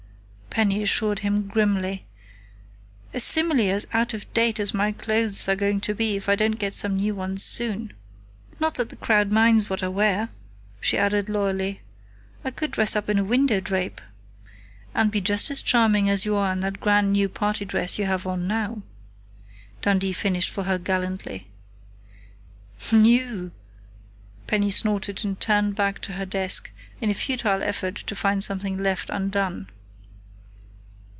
_" Penny assured him, grimly. "A simile as out of date as my clothes are going to be if I don't get some new ones soon. Not that the crowd minds what I wear," she added loyally. "I could dress up in a window drape " "And be just as charming as you are in that grand new party dress you have on now," Dundee finished for her gallantly. "New!" Penny snorted and turned back to her desk in a futile effort to find something left undone.